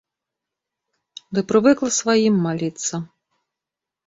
Ды прывыкла сваім маліцца.